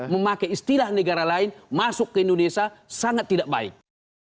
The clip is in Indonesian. memakai istilah negara lain masuk ke indonesia sangat tidak baik